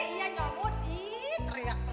iya nyomot ih teriak terus